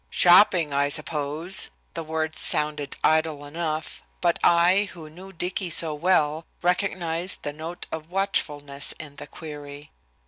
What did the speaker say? "Shopping, I suppose." The words sounded idle enough, but I, who knew Dicky so well, recognized the note of watchfulness in the query.